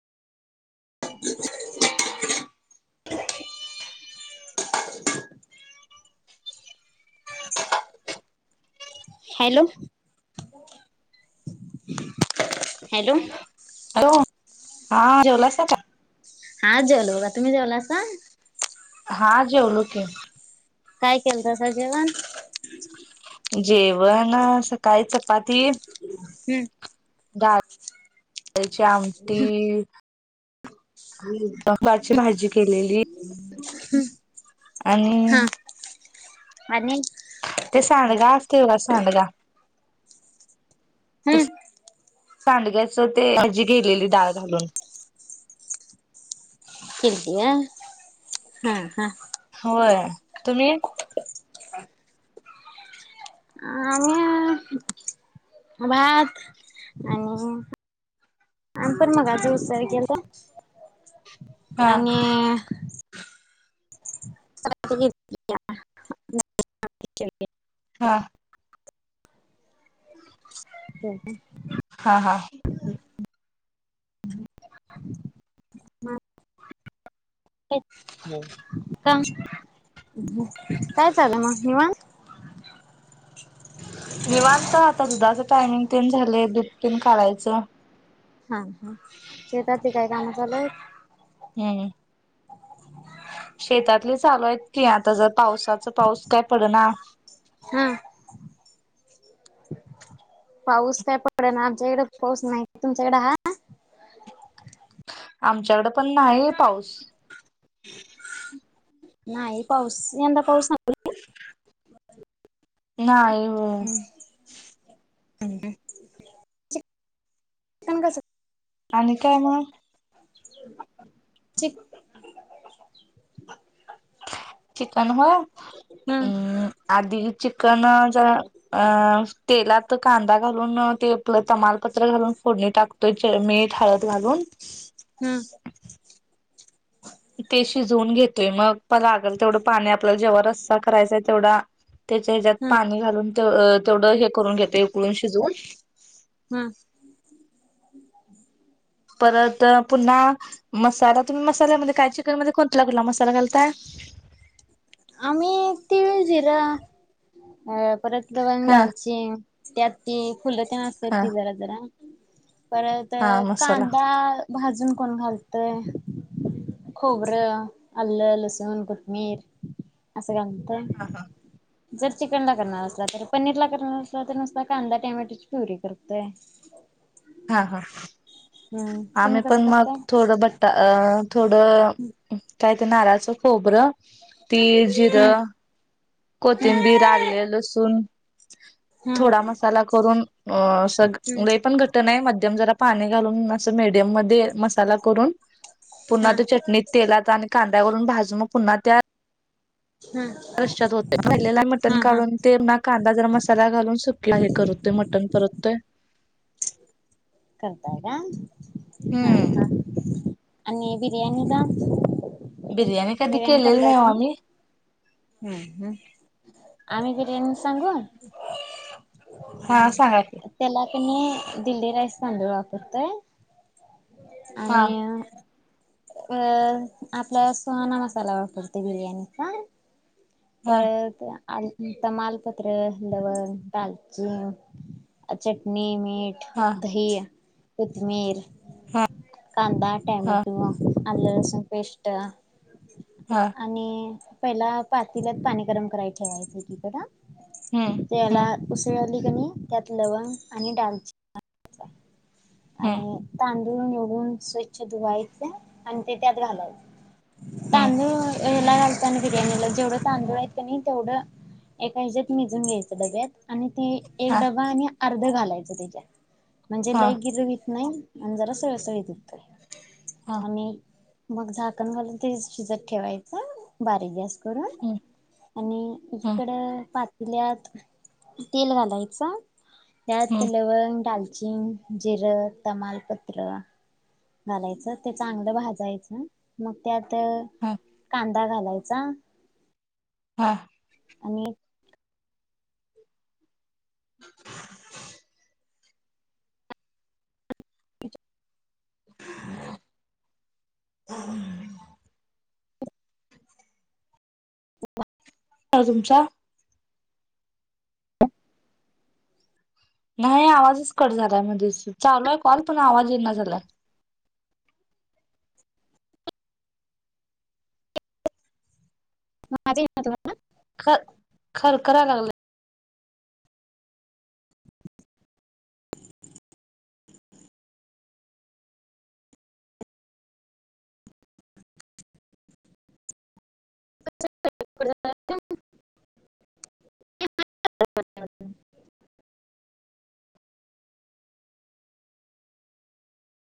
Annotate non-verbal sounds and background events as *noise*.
*inaudible* *inaudible* *inaudible* Hello hello hello हा जवलासा का? हा जेवल बघा *inaudible* हा जेवलो की. काय केलंतसा जेवण? जेवण सकाळी चपाती हम्म दाहात त्याची आमटी तची भाजी केलेली. आणि हा आणि ते सांडगा असतय बघा सांडगा हम्म सांडग्याच ते भजी केेलेली डाळ घालून फिरतीया हा, हा होय तुम्ही आमी भात आणि आम पण मगाशी उसळ केलतो हा आणि *inaudible* *inaudible* हा हो ग हा, हा ह हो का काय चालं मग निवांत निवांत आता दुधाचं टायमिंग न झाले दूध तेन काढायचं हा, हा शेताची काय काम चालू आहेत हम्म शेतातले चालू आहेत की आत आता जर पावसाचा पाऊस काय पडना हा पाऊस काय पडना आमच्याकडे पाऊस नाही तुमच्याकडे हाय आमच्याकडे पण नाही पाऊस *inaudible* नाही पाऊस यंदा पाऊस नाही ह नाही हम्म अ पण कसं आणि काय मग च चिकन होय हम्म आधी चिकन तेलात कांदा घालून ते आपलं तमालपत्र घालून फोडणी टाकत तर मीठ हळद घालून हम्म ते शिजवून घेतोय मग प लागल तेवढं पाणी आपल्याला जेव्हा रस्सा करायचाय तेवढा त्याच्या ह्याच्यात हम्म पाणी घालून तेवढं हे करून घेत उकळून शिजून ह परत पुन्हा मसाला तुम्ही मसाल्यामध्ये काय चिकन मध्ये कोणता मसाला घालताय. आम्ही तिळ जिरं अ परत लवंग हा दालचिन त्यात ते फुलं ते न असत्यात हा की जरा जरा. परत हा मसाला कांदा भाजून कोण घालतय खोबरं आल्लं लसूण कोथमीिर अस. गता हा हा जर चिकनड करणार असला तर पनीर ला करणार तर नुसता कांदा टमॅटोची प्युरी करतय. हा हा तुम्ही आम्ही कसं पण मग करताय थोडं बट्टा अ थोडं काय ते नारळाचं खोबरं तीळ, जिरं, कोथिंबीर, आले, लसूण, थोडा हम्म मसाला करून स हम्म पण घ मम जरा पाणी घालून अस मडयम मध्ये मसाला करून पुन्हा हा त चटणीत तेलात आणि कां वून भाजू मग पुन्हा त्या हा रश्यात होते पहिलेला हा मटण हा काढून ते ना कांदा जर मसाला घालून सुकला हे करतते मटण परततेोय. त का हा हम्म हा आणि बिर्याणी द बिर्याणी कधी केलेली नाही. आम्ही हम् हम आम्ही किती सांगू हा सांगा की त्याला क म दिल्ली राय सांज वापत. हा आणि अ आपल्या सोहाणा मसाला वापरते बिर्याणी का हा परत आ तमालपत्र लवण दालची चटणी मीठ हा दहया खमीर हा कांदा टॅमाे हा टूमा आल्या सोप इष्ट हा आणि पहि पा तिलात पाणी गरम कराय ठेवायच एकीकड. हम्म तेला हम्म उे लीणी त्यात लवंग आणि दालचिनी घालायचं. हम्म आणि तां ून निवडून स्वच्छ धुवायचे आणि ते त्यात घालायचे. हम्म तांदूळ हेला घालतना बिर्याणीला जेवढंच. तांदूळ आहेत क नाही तेवढं एका हच्यात मिजून घ्यायचं डब्यात. आणि ती एक हा डबा आणि अर्ध घाल *unintelligible* त्याच्या म्हणजे हा ल नाही आणि जरा सळसळीत होतंय. हा आणि मग झाकण घालून ते शिजत ठेवायच बारीक गॅस करून हम्म आणि हम्म एकीकड पा तल्यात तेल घालायच. हम्म त्याल लवंग, दाल *inaudible* जिर, तमालपत्र घालायचं ते चांगलं भाजायचं मग त्यात तर हा कां ता घालायचा. हा. आणि *inaudible* *unintelligible* *inaudible* *inaudible* तुमचा नाही आवाजच कट झालाय मध्ये चालू आहे कॉल पण आवाज येना झालाय. म माझ येईना तुम्हाला ख खरखराय लागलय. *inaudible*